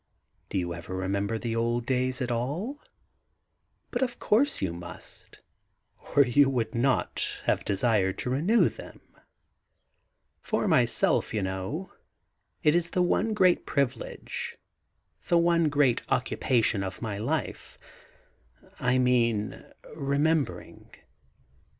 Do you ever remember the old days at all ? But of course you must, or you would not have desired to renew them. For myself, you know, it is the one great privilege, the one great occupation of my life — I mean remembering.